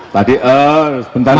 tadi e bentar pak